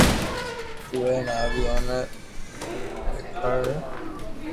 تو ھين اووي اوني ڌاڪٽري